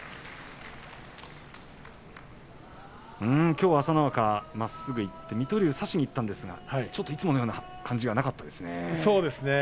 きょうは朝乃若、まっすぐいって水戸龍を差しにいったんですがちょっといつものような感じがなかったですね。